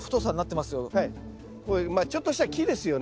まあちょっとした木ですよね。